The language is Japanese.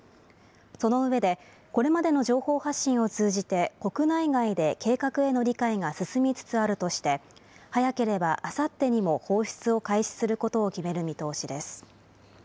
その上で、これまでの情報発信を通じて、国内外で計画への理解が進みつつあるとして、早ければあさってにも放出を開始することを決める見通しです。